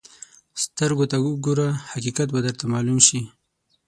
سترګو ته وګوره، حقیقت به درته معلوم شي.